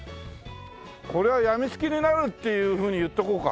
これは病みつきになるっていうふうに言っておこうか。